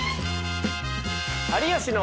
「有吉の」。